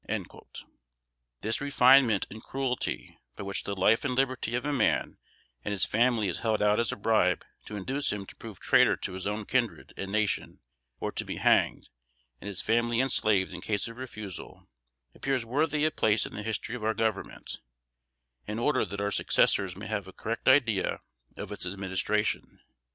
" This refinement in cruelty by which the life and liberty of a man and his family is held out as a bribe to induce him to prove traitor to his own kindred and nation, or to be hanged, and his family enslaved in case of refusal, appears worthy a place in the history of our Government, in order that our successors may have a correct idea of its administration.